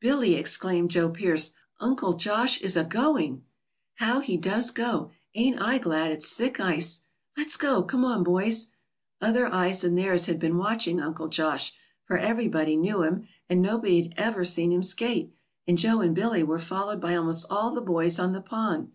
"Billy," exclaimed Joe Pearce, "Uncle Josh is agoing!" "How he does go! Ain't I glad it's thick ice!" "Let's go. Come on, boys." Other eyes than theirs had been watching Uncle Josh, for everybody knew him, and nobody had ever seen him skate, and Joe and Billy were followed by almost all the boys on the pond.